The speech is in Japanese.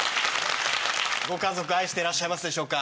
ご家族愛してらっしゃいますでしょうか？